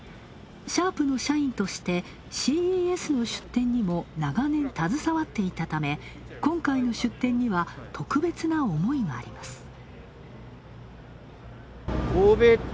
シャープの社員としてＣＥＳの出展にも長年携わっていたため、今回の出展には特別な思いがあります。